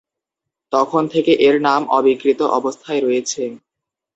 তখন থেকে এর নাম অবিকৃত অবস্থায় রয়েছে।